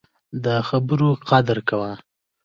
د خبرو قدر کوه